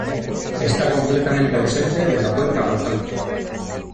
Está completamente ausente de la cuenca amazónica.